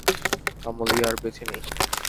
কামলি আর বেঁচে নেই।